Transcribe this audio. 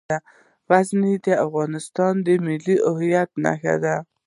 غزني د افغانستان د ملي هویت نښه ده.